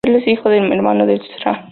Él es el hijo del hermano de la Sra.